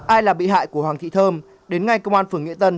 ai là bị hại của hoàng kỵ thơm đến ngay công an phỉnh nghệ tân